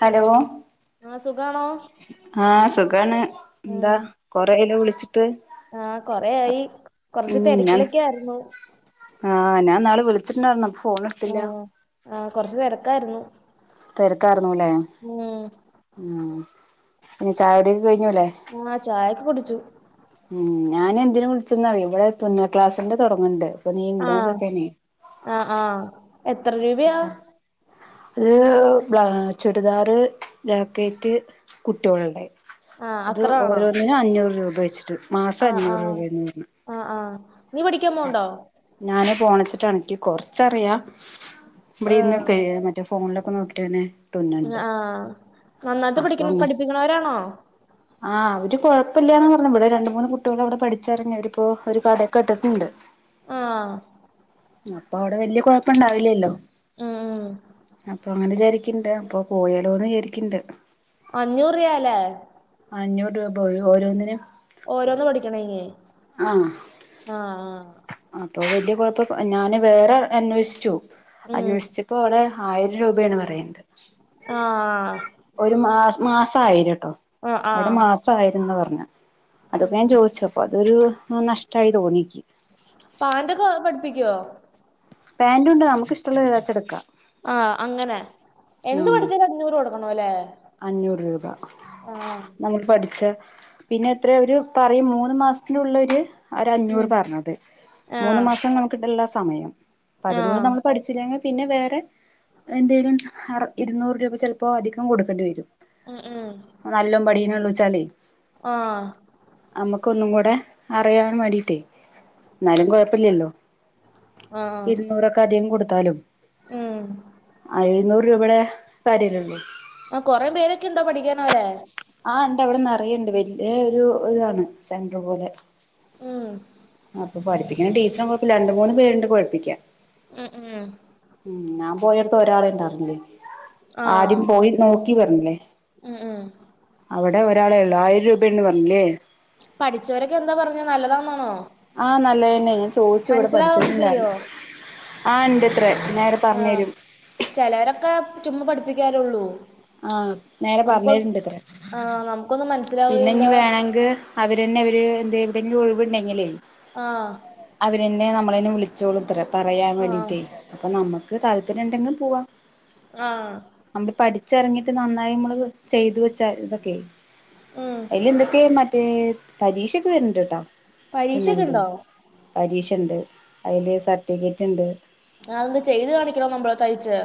Hello. ആഹ് സുഖാണോ ആഹ് സുഖാണ് എന്താ ഉം കൊറെയല്ലോ വിളിച്ചിട്ട്. ആ കൊറെയായി കൊറച്ച് ഉം ഞാൻ തെരക്കിലൊക്കെ ആയിരുന്നു ആഹ് ഞാൻ ന്നാള് വിളിണ്ടാര്ന്നു അപ്പൊ ഫോൺ എടുത്തില്ല ആഹ് ആ കൊറച്ച് തെരക്കായിരുന്നു. തിരകർന്നുല്ലേ? ഉം ഉ പിന്നെ ചായടിക്കെ കഴിഞ്ഞുല്ലേ. ആഹചായക്കെ കുടിച്ചു. മം ഞാനന്തിന വിളിച്ചന്നറിയോ? ഇവിടെ തുന്നൽ ക്ലാസ്സിന്റെ തുടങ്ങണ്ട് അപ്പൊ നീ ഇണ്ടോന്ന് ചോയ്കാനെ. ആഹ് ആഹ് എത്ര രൂപയാ? അത് ബ്ലാ ചുരിദാർ 'ജാക്കറ്റ്' കുട്ടികള്ടെ ആ അത് അത്ര ഓരോന്നിനും അഞ്ഞൂറ് രൂപ വെച്ചിട്ട് മാസം ആഹ് അഞ്ഞൂറ് ആഹ് രൂപയെന്ന് പറഞ്ഞു ആഹ് ആഹ് നീ പഠിക്കാൻ പോണ്ടോ? ഞാന് പോണച്ചിട്ടാണക്ക് ന്ക്ക് കൊറച്ചറിയാം ആ ഇവിടെന്ന് മറ്റേ ഫോണിലൊക്കെ നോക്കിട്ടനെ ആഹ്‌ നന്നായിട്ട് പഠിക്ക പഠിപ്പിക്കണോരാണോ? ആ അവര് കുഴപ്പല്യന്ന് പറഞ്ഞു. ഇവിടെ രണ്ട് മൂന്ന് കുട്ട്യേൾ അവിടെ പഠിച്ചറങ്ങു അവരിപ്പോ ഒരു കടയൊക്കെ ഇട്ടിട്ടുണ്ട്. ആഹ് അപ്പൊ അവിടെ വല്യ കുഴപ്പണ്ടാവില്ലല്ലോ? ഉം ഉം അപ്പൊ അങ്ങനെ വിചാരിക്കണ്ട് അപ്പോ പോയാലോന്ന്യാരിക്ണ്ട് അഞ്ഞൂർ റിയാല അഞ്ഞൂറ് രൂപ ഓരോ ഓരോന്നിനും ഓരോന്ന് പഠിക്കണേങ്കി.. ആഹ അപ്പൊ വലിയ കുഴപ്പ ഞാന് വേറെ അന്വേഷിച്ചു. ഉം അന്വേഷിച്ചപ്പോ അവിടെ ആയിരം രൂപയാണ് പറയണത് ആഹ് ഒരു മാ മാസയിരട്ടോ. ആ ആ അവ്ടെ മാസായിരെന്നാ പറഞ്ഞ. അതൊക്കെ ഉം ഞാൻ ചോദിച്ചപ്പൊ അതൊരു നഷ്ടമായി തോന്നിക്ക് പാന്റൊക്കെ പഠിപ്പിക്കുവോ? പാന്റുണ്ട് നമുക്കിഷ്ടള്ളത് ഏതാച ട്ക്കാം ആഹ് അങ്ങനെ എന്ത് ആഹ് പഠിച്ചാല അഞ്ഞൂര് കൊടുക്കണല്ലേ. അഞ്ഞൂറ് രൂപ. നമക്ക് പഠിച്. പിന്നെ എത്ര അവര് പറയും മൂന്ന് മാസത്തിനുള്ളര്.. ഒര ഉം അഞ്ഞൂറ് പറഞ്ഞത്. മൂന്ന് ആഹ് മാസം നമക്ക്ണ്ടല്ലോ സമയം അപ്പ അതിനുള്ള ആഹ് നമ്മൾ പഠിച്ച.. ല്ലെങ്കി പിന്നെ വേറെ എന്തേലും ഇരുന്നൂറ് രൂപ ചെലപ്പോ അധികം കൊടുക്കേണ്ടി വരും. ഉം ഉം നല്ലോ പടീനെള്ളൂ ച്ചാലേ ആഹ് അമ്മക്ക് ഒന്നും കൂടെ അറിയാൻ വേണ്ടിയിട്ടേ ന്നാലും കുഴപ്പല്ലല്ലോ ആഹ് ഇരുന്നൂറൊക്കെ അധികം കൊടുത്താലും, ഉം എഴുന്നൂറ് രൂപെടെ സാരി [unintelligible] ആ കുറേ പേരൊക്കെ ഉണ്ടോ പഠിക്കുന്നവരെ ആണ്ട് അവിടെ നെറയേണ്ട് വല്ല്യെ ഒരു ഇതാണ് സെൻറർ പോലെ. ഉം അപ്പൊ പഠിപ്പിക്കണ ടീച്ചറും കൊഴപ്പില്ല രണ്ടു മൂന്ന് പേരുണ്ട് കുഴിപ്പിക്കാൻ. ആഹാ ഉം ഞാൻ പോയോട്ത്ത് ഒരാളെ ഉണ്ടായിരുന്നൊള്ളു. ആഹ് ആദ്യം പോയി നോക്കി പർഞ്ഞില്ലേ? ഉം ഹു അവ ടെ ഒരാളെള്ളു ആയിരം രൂപയെന്ന് പറഞ്ഞ്ല്ലേ? പഠിച്ചൊരൊക്കെ എന്താ പറഞ്ഞത് നല്ലതാന്നാണോ? ആ നല്ലതന്നെ ഞാൻ ചോദിച്ചു ഇവിടെ മനസ്സിലാവൊക്കെ ചെയ്യോ പഠിച്ചിട്ടുണ്ടായിരുന്നു. ആ ഉണ്ട് ഇത്ര നേര ആ ചിലരൊക്കെ ചുമ്മ പഠിപ്പിക്കാലുള്ളൂ. ആ നേരെ പറഞ്ഞേണ്ട്ത്ര ആ നമ്മുക്കൊന്നും മന പിന്നെ ഇനി വേണങ്ക് അവര്നെ അവര് എന്ത ഏതെങ്കിലും ഒഴിവ്ണ്ടെങ്കിലേ. ആഹ് അവര്ന്നെ നമ്മളെ വിളിച്ചോളുംത്രേ പറയാൻ ആഹ് വേണ്ടീട്ട്. അപ്പൊ നമക്ക് താല്പര്യം ഉണ്ടെങ്കിൽ പോവാം. ആഹ്. നമ്മള് പഠിച്ചിറങ്ങിട്ട് നന്നായി നമ്മള് ചെയ്തു വെച്ചാ ഓകെ. ഉം അയിൽ എന്തൊക്കയാ മറ്റേ പരീക്ഷയൊക്കെ വരുന്ന്ണ്ട്ട്ടോ പരീക്ഷയൊക്കെ തുന്നലിന്റെ- ഉണ്ടോ പരീക്ഷണ്ട്. അയില് സർട്ടിഫിക്കറ്റ്ണ്ട്. അത് എന്താ ചെയ്ത് കാണിക്കണോ നമ്മള് തയ്യിച്ച്?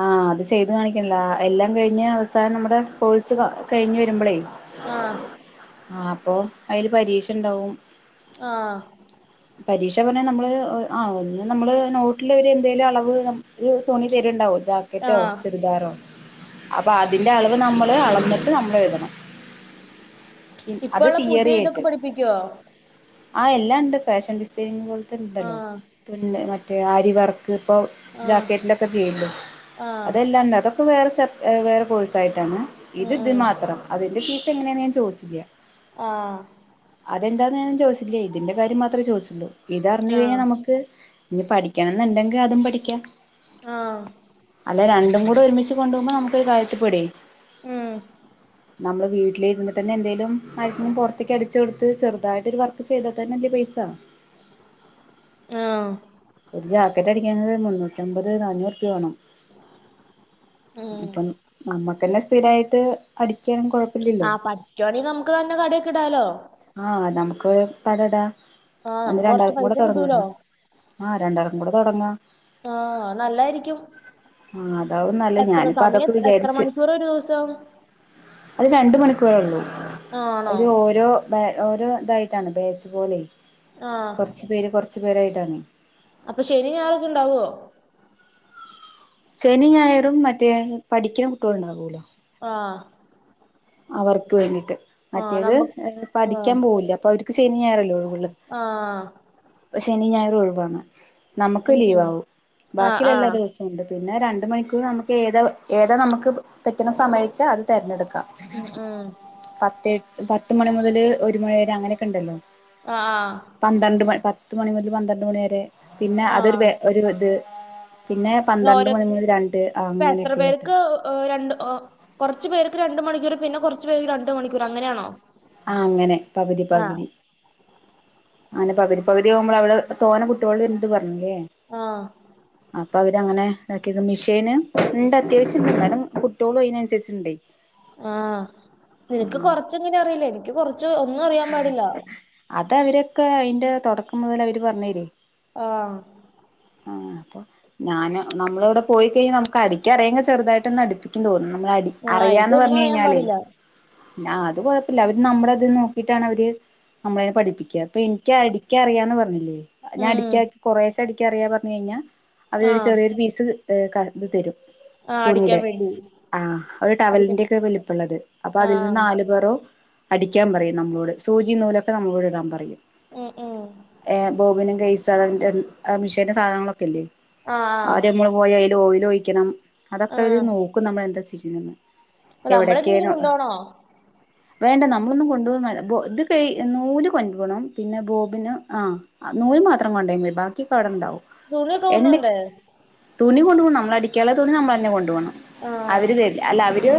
ആ അത് ചെയ്ത് കാണികാണല്ലോ എല്ലാം കഴിഞ്ഞ് അവസാനം നമ്മുടെ കോഴ്സ് കഴിഞ്ഞ് വരുമ്പളേ ആ ആ അപ്പോ അതില് പരീക്ഷണ്ടാവും. ആ പരീക്ഷ പറഞ്ഞാൽ നമ്മള് ആ ഒന്ന് നമ്മള് നോട്ടിൽ ഒരു എന്തേലും അളവ് ഒരു തുണി തരണ്ടാവുല്ലോ? റ്റോ ആഹ്. ചുരിദാറോ അപ്പൊ അതിന്റെ അളവ് നമ്മള് അളന്നിട്ട് നമ്മള് എഴുതണം. ഹം. അത് ഇപ്പള്ള പുതിയ ഇതൊക്കെ തീയറിയായിട്ട് പഠിപ്പിക്കോ? ആ എല്ലാ ഉണ്ട് ഫാഷൻ ഡിസൈനിങ് പോലത്തെ ഉണ്ടല്ലോ? ആഹ് മറ്റേ ആരിവർ ഇപ്പോൾ ആഹ് ജാക്കറ്റിലൊക്കെ ചെയ്യുല്ലോ? ആഹ് അതെല്ലാണ്ട് അതൊക്കെ വേറെ വേറെ കോഴ്സായിട്ടാണ് ഉം ഇത് ഇത് ഉം മാത്രം. അതിന്റെ ഫീസ് എങ്ങനെയാണ് ഞാൻ ചോദിച്ചില്ല. ആ അതെന്താന്ന് ഞാൻ ചോദിച്ചില്ല ഇതിന്റെ കാര്യം മാത്രമേ ചോദിച്ചുള്ളൂ ഇത് അറിഞ്ഞു ആഹ് കഴിഞ്ഞാൽ നമുക്ക് ഇനി പഠിക്കണം ഇണ്ടങ്കി അതും പഠിക്കാം. ആഹ്. അല്ല രണ്ടും കൂടെ ഒരുമിച്ച് കൊണ്ടു പോകുമ്പോ നമുക്കൊരു കാര്യത്തിൽ പേടിയായി ഉം നമ്മള് വീട്ട വീട്ടിലിരുന്നിട്ട് തന്നെ എന്തേലും മ [unintelligible] പൊറത്ക്ക് അടിച്ചു കൊടുത്ത് ചെറുതായിട്ട് വർക്ക് ചെയ്താൽ തന്നെ അല്ലേപൈസ ആ ഒരു ജാക്കറ്റ്അടിക്കാന്ള്ളത് മുന്നൂറ്റമ്പത് നാനൂറ് റുപ്യവേണം. ഉം. അപ്പം നമ്മുക്കുതന്നെ സ്ഥിരായിട്ട് അടിക്കാൻ കുഴപ്പില്ല ആ പറ്റുവാണെല് നമുക്ക് തന്നെ കടയൊക്കെ ഇടാലോ? ആ നമുക്ക് കട ഇടാം. ആഹ് എന്നാ നമുക്ക് കൊറച്ച് രണ്ടാൾക്കും പൈസ കൂടെ കിട്ടൂലോ. തുടങ്ങാംട്ടോ ആ രണ്ടാൾക്കു കൂടെ തുടങ്ങാം ആഹ് നല്ലായിരിക്കും. ആഹ് അതാവും നല്ലത് എത്ര ഞാനിപ്പോ അതൊക്കെ സമയം എത്ര വിചാരിച്ച് മണിക്കൂർ ഒരൂസം? അത് രണ്ട് മണിക്കൂറേ ഉള്ളൂ ആണോ? അതില് ഓരോ ബാ ഓരോ ഇതായിട്ടാണ് ബാച്ച് പോലെ. ആ കുറച്ച് പേര് കുറച്ചു പേരായിട്ടാണ് അപ്പം ശനി ഞായറ ഉണ്ടാവോ ശനി ഞായറും മറ്റേ പഠിക്ക്‌ണ കുട്ട്യോള് ഉണ്ടാവൂലോ ആഹ് അവർക്ക് വേണ്ടിട്ട് ആഹ് മറ്റേത് നമ്മ ആഹ് പഠിക്കാൻ പോവില്ല അപ്പൊ അവർക്ക് ശനി ഞയറല്ലോ ഒഴിവ്ള്ളേ ആഹ് ശനി ഞായറ് ഒഴിവാണ് നമ്മക്ക് ഉം ലീവ ഉം ആവും ആഹ് ബാക്കിള്ള എല്ലാ ആഹ് ദിവസ ണ്ട് പിന്നെ രണ്ട് മണിക്കൂർ നമ്മക്ക് ഏതാ ഏതാ നമ്മക്ക് പറ്റുന്ന സമയച്ച അത് തിരഞ്ഞെടുക്കാം ഉം ഉം പത്തേ പത്ത് മണി മുതല് ഒരു മണിവരെ അങ്ങനെയൊക്കെ ഇണ്ടല്ലോ ആഹ് ആഹ് പന്ത്രണ്ട് മ പത്ത് മണി മുതൽ പന്ത്രണ്ട് മണി വരെ പിന്നെ അതൊരു ആഹ്. ബേ ഒരു ഇത് പിന്നെ പന്ത്രണ്ട് മണി മുതല് രണ്ട് ഇപ്പൊ അങ്ങനെയൊക്കെട്ടാ കുറുച്ചു പേര്ക്ക് രണ്ട് മണിക്കൂറ് പിന്നെ കുറച്ച് പേര്ക്ക്‌ രണ്ട് മണിക്കൂർ അങ്ങനെയാണോ ആ അങ്ങനെ പകുതി ആഹ് പകുതി അങ്ങനെ പകുതി പകുതി ആവുമ്പ അവിടെ തോനെ കുട്ട്യോള്ണ്ട് പറഞ്ഞേ അഹ് അപ്പൊ അവരങ്ങനെ ഇതാക്കിയത് മിഷീന് ഇണ്ട് അത്യാവശ്യം ഇണ്ട് കാരണം കുട്ട്യോളും അയ്നനുസരിച്ച് ണ്ടേ ആഹ് നിനക്ക് കൊറച്ചങ്ങനെ അറിയില്ലേ എൻക്ക് കൊറച്ച് ഒന്നും അറിയാൻ പാടില്ല അത അവരൊക്കെ അതിന്റെ തുടക്കം മുതൽ അവര് പറഞ്ഞരേ ആഹ് ആഹ് അപ്പൊ ഞാന് നമ്മള അവിടെ പോയി കഴിഞ്ഞ നമുക്ക് അടിക്കാൻ അറിയങ്കിൽ ചെറുതായിട്ടൊ ഒന്ന് അടുപ്പിക്കും തോന്നുന്നു നമ്മള അടി ആഹ് അറിയാന്ന് എനിക്കൊന്നും പറഞ്ഞ് അറിയാൻ കഴിഞ്ഞാല് പാടില്ല. ന അത് കൊഴപ്പല്ല അവര് നമ്മുടെ ഇത് നോക്കിട്ടാണ് അവര് നമ്മളെ പഠിപ്പിക്ക ഇപ്പൊ ഇൻക്കി അടിക്ക അറിയാന്ന് പറഞ്ഞില്ലേ ഞാൻ ഉം അടിക്ക കുറേശ അടി ക്ക അറിയാ പറഞ്ഞു കഴിഞ്ഞ അവര് ഒരു ആഹ് ചെറിയൊരു പീസ് ത ക ഇത് തരും ആഹ് അടിക്കാൻ തുണിയുടെ വേണ്ടി ആ ഒരു അടിക്കാൻ ടവലിന്റെ ഒക്കെ വലിപ്പള്ളത് അപ്പൊ അതിൽ നിന്ന് ആഹ് നാലു പേറോ അടിക്കാൻ പറയും നമ്മളോട് സൂചി നൂലൊക്കെ നമ്മളോട് ഇടാൻ പറയും ഉം ഉം ഏ ബോബിനും ഗൈസ അതതിന്റെ ആ മിഷീന്റെ സാധനങ്ങളൊക്കെല്ലേ ആഹ് ആദ്യ നമ്മള് ള് ഓയയിലു ഓയലു ഒഴിക്കണം അതൊക്കെ അവര് ആഹ്. നോക്കും നമ്മൾ എന്താ ചെയ്യിന്നന്ന് അപ്പൊ നമ്മളെന്തെങ്കിലും എവിടെക്കേനു കൊണ്ടോണോ? വേണ്ട നമ്മളൊന്നും കൊണ്ട [unintelligible] ബോ ഇത് കഴി നൂല് കൊണ്ട് പോണം പിന്നെ ബോബിന് ആഹ് ആ നൂല് മാത്രം കൊണ്ടയാ മതി ബാക്കി ഒക്കെ അവുടെണ്ടാവും തുണിയൊക്കെ കൊണ്ടവണ്ടേ തുണി കൊണ്ടു പോണം നമ്മള അടിക്കാള്ള തുണി നമ്മള തന്നെ കൊണ്ടു പോണം ആഹ് അവര് തരില്ല അല്ല അവര്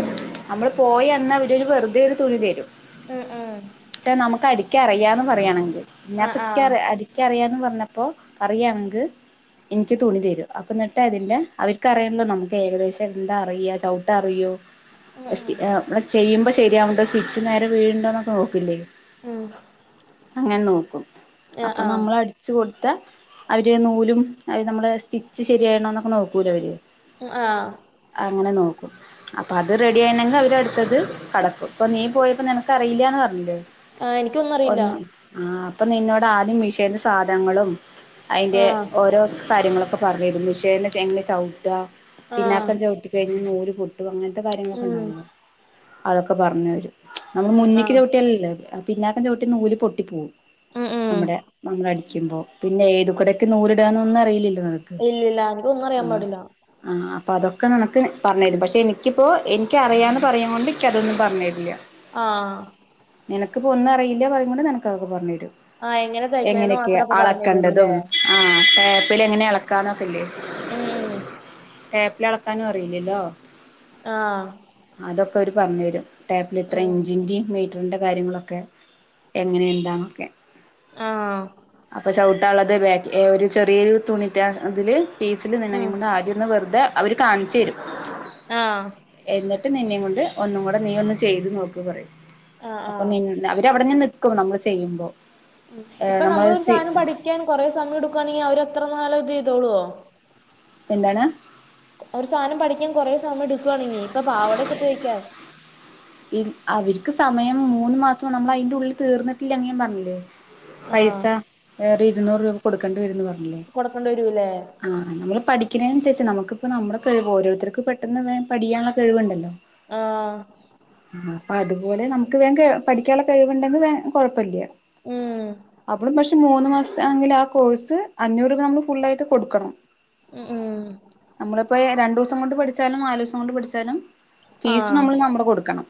അമ്മള് പോയി അന്ന് അവരൊരു വെറുതെരു തുണി തരും ആഹ് ആഹ് പക്ഷെ നമുക്ക് അടിക്ക അറിയാന്ന് പറയാണെങ്കിൽ ആഹ് ഞപ്പ ആഹ്. ഇക്കിറിയ അടി അറിയാന്ന് പറഞ്ഞപ്പോ അറിയാം നിങ്ങക്ക് ഇൻക്ക് തുണി തരും അപ്പോ എന്നിട്ട് അതിൻ്റെ അവർക്കറിയൺല്ലോ നമുക്ക് ഏകദേശം എന്താ അറിയ ചവുട്ടാ അറിയൊ [unintelligible] ഉം ഉം. മ്മളു ചെയ്യുമ്പോ ശെരിയാവുണ്ടോ സ്റ്റിച്ച് നേരെ വീഴുണ്ടോന്നൊക്കെ നോക്കില്ലേ ഉം അങ്ങനെ നോക്കും ആഹ് അപ്പൊ ആഹ്. നമ്മള് അടി ച്ചു കൊടുത്ത അവര് നൂലും അവര് നമ്മളെ സ്റ്റിച്ച് ശരിയായിണോന്നൊക്കെ നോക്കൂല ഇവര് ആഹ്. അങ്ങനെ നോക്കും അപ്പൊ അത് റെഡി ആയിണെങ്കിൽ അവര് അടുത്തത് കടക്കും ഇപ്പൊ നീ പോയപ്പോ നിന ക്കറിയില്ലാന്ന് പറഞ്ഞിലേ ആഹ് എനിക്കൊന്നും അറിയില്ല. ഒന്നും ആ അപ്പൊ നിന്നോട് ആദ്യം മീഷേന്റെ സാധനങ്ങളും അതിന്റെ ആഹ് ഓരോ കാര്യങ്ങളൊ ക്കെ പറഞ്ഞരുന്നു ശേ എങ്ങനെ ചവിട്ടാ ആഹ് പിന്നാക്കൻ ചവിട്ടി കഴിഞ്ഞ നൂല് പൊ അങ്ങനത്തെ കാര്യങ്ങളൊക്കെ ഉം ഉണ്ടാവലോ അതൊക്കെ പറഞ്ഞുതരും. നമ്മ ഉം മുന്നിൽ ആഹ് ല്ലേ പിന്നകം ചവിട്ടി നൂല് പൊട്ടി പോവും ഉം ഉം നമ്മടെ നമ്മടി കുമ്പോ പിന്നെ ഏത് കടക്ക് നൂലിടന്ന ഒന്നും അറിയില്ലല്ലോ നിനക്ക് ഇല്ലില്ല എനിക്കൊന്നും അറിയാൻ പാടില്ല. ആഹ അപ്പൊ അതൊക്കെ നനക്ക് പറഞ്ഞ തരും പക്ഷെ എനിക്കിപ്പോ എനക്ക് അറിയാന്ന് പറയ കൊണ്ട് എനിക്ക് അതൊന്നും പറഞ്ഞ തരില്ല ആഹ് നിനക്ക ഇപ്പൊ ഒന്നും അറില്ല പറയ് കൊണ്ട് നിനക്ക് അതക്കെ പറഞെരും. ആഹ് എങ്ങനെ തയ്ക്കണേന്ന് എങ്ങനെക്കെ മാത്രം അപ്പൊ പറഞ്ഞു തരുള്ളൂല്ലേ അളക്കണ്ടതും ആ ടാപ്ൽ എങ്ങനെ അളക്കാന്നൊ ക്കല്ലേ ഉം.. ടേപ്പിൽ അളക്കാനും അറില്ലല്ലോ! ആഹ് അതൊക്കെ അവര് പറഞ്ഞു തരും ടേപ്പിൽ ഇത്ര ഉം ഇഞ്ചിന്റെയും കാര്യങ്ങളൊക്കെ എങ്ങനെന്താ ഒക്കെ, ആഹ് എന്താക്കെ.. തോളത്തെ ബാഗ്, ഒരു ചെറിയൊരു തുണിറ്റ അതിൽ പീസിൽ നിന്ന ഉം കൊണ്ട് ആദ്യോന്ന് വെറുതെ അവര് കാണിചെരും. ആഹ്. എന്നിട്ട് നിന്നെകൊണ്ട് ഒന്നും കൂടെ നീ ഒന്ന് ചെയ്ത് നോക്കി പറയും. ആഹ് അപ്പൊ ആഹ് നി... അവരവ്ടെ തന്നെ നിക്കും നമ്മള് ചെയ്യുമ്പോ ഇപ്പൊ നമ്മള് നമ്മളോര് സി സാനം പഠിക്കാൻ കൊറേ സമയം എടുക്കുവാണെങ്കിൽ അവരത്ര നാളും ഇത് ചെയ്തോളുവോ? എന്താണ്? ഒരു സാധനം പഠിക്യൻ കുറേ സമയം എടുക്കുവാണെങ്കി, ഇപ്പൊ പാവടയൊക്കെ തയ്ക്കാൻ. അവര്ക്ക് സമയം മൂന്ന് മാസം നമ്മൾ അയിന്റെ ഉള്ളിൽ തീർന്നിട്ടില്ല അങ്ങ പറഞ്ഞില്ലേ? പൈസ ആഹ് വേറെ ഇരുന്നൂറ് രൂപ കൊടുക്കേണ്ടി വരന്ന് പറഞ്ഞില്ലേ? കൊടുക്കേണ്ടി വരൂല്ലേ നമ്മ പഠിക്ണെനൻസരിച്ച് നമുക്കിപ്പോ നമ്മുടെ കഴിവ് ഓരോരുത്തർക്ക് പെട്ടെന്ന് പഠിയാനുള്ള കഴിവ്ണ്ടല്ലോ? ആഹ്! അതുപോലെ നമുക്ക് വേഗം പഠിക്കാനുള്ള കഴിവ്ണ്ടെങ്കില് കൊഴപ്പമില്ല ഉം അവള് പക്ഷെ മൂന്ന് മാസം.... ആണെങ്കിൽ ആ കോഴ്സ് അഞ്ഞൂറ് രൂപ ഫുള്ളായിട്ട് കൊടുക്കണം. ഉം ഉം... നമ്മളിപ്പോ രണ്ടൂസം കൊണ്ട് പഠിച്ചാലും, നാലൂസം കൊണ്ട് പഠിച്ചാലും, ഫീസ് ആഹ് നമ്മൾ നമ്മുടെ കൊടുക്കണം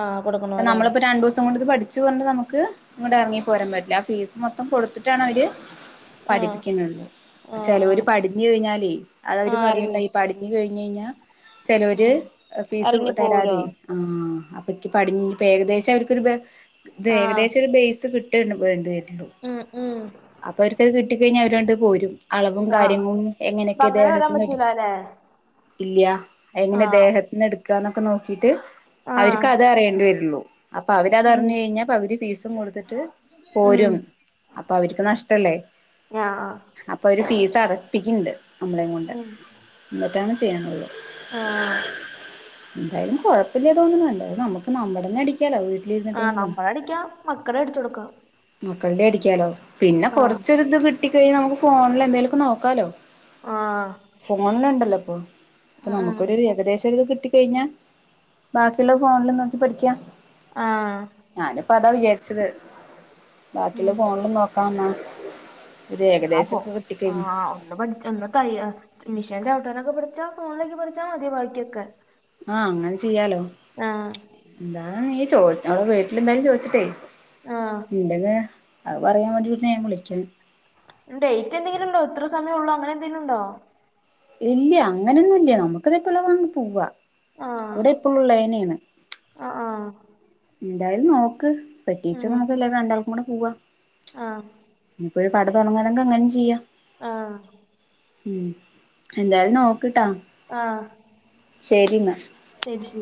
ആഹ് ക്കണം കൊടുക്കണോല്ലേ നമ്മളിപ്പോ രണ്ടു ദിവസം കൊണ്ട് പഠിച്ച ച് കൊണ്ട് നമ്ക്ക് ഇങ്ങോട്ട് ഇറങ്ങി പോരാൻ പറ്റില്ല. ആ ഫീസ് മൊത്തം കൊടുത്തിട്ടാണ് അവര് ആഹ് പഠിപ്പിക്ന്ന്ണ്ട്. ആഹ് ആഹ് ചിലൊര് പഠിഞ് കഴിഞ്ഞാലേ അത് അവര് ആഹ് എറങ്ങി പറയണ്ടായി പ കഴിഞ്ഞ കഴിഞ്ഞാൽ ചിലര് ഉം ഫീസ് എറങ്ങി തരാതെ പോവൂലോ ആയി ആ അപ്പക്കി പടി ഏകദേശം അവർക്കൊരു, ഇ ഏകദേശം അവർക്കൊരു ബേ ആഹ് ഏകദേശം ബേസ് കിട്ട.. ട്ടേണ്ട വിട്ടു.. ഉം... ഉം.. അപ്പൊ അവർക്ക്ത് കിട്ടിക്കഴിഞ്ഞാൽ അവരണ്ട് പോരും. അളവും ആഹ് കാര്യങ്ങളും അപ്പൊ എങ്ങനെയൊക്കെ അങ്ങനെ വരാൻ ഇതേതൊക്കെ പറ്റൂലാല്ലേ ഇല്യ. എങ്ങനെ ആഹ് ദേഹത്തിന്ന് എടുക്കാന്നൊക്കെ നോക്കിട്ട്.. അവർക്ക് ആഹ് അത് അറിയേണ്ടി വരുള്ളൂ. അപ്പൊ ഉം അവരതറിഞ്ഞു കഴിഞ്ഞ പക്തി ഫീസും കൊടുത്തിട്ട്... ഉം പോരും. അപ്പൊ അവർക്കതു നഷ്ടല്ലേ? ആഹ് അപ്പൊ അവര് ഫീസ് അട പിക്കണ്ട് മ്മളെയും കൊണ്ട്, ഉം ന്നിട്ടാണ് ചെയ്യാനുള്ളത്. ആഹ്... എന്തായാലും കുഴപ്പല്ലാന്നു തോന്ന്ണ്. എന്തായാലും നമ്മുക്ക് നമ്മുടെ തന്നെ അടിക്ക് കാലോ വീട്ടി ആഹ് നമ്മടെ അടിക്കാം, മക്കടെ അടിച്ചു കൊടുക്കാം. മക്കളുടെ അടിക്കാലോ? പിന്നെ ആഹ് കൊറാച്ചൊരിത് കിട്ടികഴിഞ്ഞാല് നമുക്ക് ഫോണില് എന്തെലൊക്കെ നോക്കാലോ? ആഹ് ഫോണിലുണ്ടല്ലോ ഇപ്പൊ ഇപ്പൊ ഉം നമുക്കരു ഏകദേശം ഒരു കിട്ടിക്കഴിഞ്ഞാ.. ബാക്കിള്ള ഫോണില് നോക്കി പഠിക്കാം. ആഹ് ഞാനുപ്പം അതാ വിചാരിച്ചത്! ബാക്കിയുള്ള ഉം ഫോണിൽ നോക്ക... ഒരു ആപ്പോ ഏകദേശമൊക്കെ കിട്ടി കഴിഞ്ഞി ആഹ് ഒന്ന് പഠിച്ച തയ്യൽ മെഷീൻ ചവിട്ടാനൊക്കെ പഠിച്ചാ ഫോണിൽ നോക്കി പഠിച്ചാ മതി ബാക്കിയൊക്കെ. ആഹ അങ്ങനെ ചെയ്യാലോ ആഹ് എന്താണ് നീ ചോ അവടെ വീട്ടിലെന്തായാലും ചോദിച്ചിട്ടേ. ആഹ് ണ്ടെങ്കിൽ അത്‌ പറയാൻ വേണ്ടിട്ടാ ഞാൻ വിളിക്കൽ ഡേറ്റ് എന്തെലും ഉണ്ടോ ഇത്ര സമയം ഉള്ളോ അങ്ങനെ എന്തെലും ഉണ്ടോ ഇല്ല്യ അങ്ങനെയൊന്നും ഇല്ല്യ നമുക്കത് ഇപ്പോഴ വ പോവാ ആഹ് അവിടെ എപ്പോഴും ഉള്ളത് തന്നെ എൻ ആഹ് ആഹ് എന്തായാലും നോക്ക് ഉം പറ്റെച്ചാൽനമുക്ക് രണ്ടാൾക്കും കൂടെ പോവാ ആഹ് ഒരു കട തുടങ്ങാൻ ആണെങ്കിൽ അങ്ങനേം ചെയ്യാ. ആഹ് ഉം എന്തായാലും നോക്ക്‌ട്ടാ. ആഹ് ശെരിന്നാ ശരി ശരി